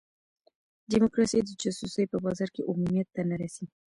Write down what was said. ډیموکراسي د جاسوسۍ په بازار کې عمومیت ته نه رسي.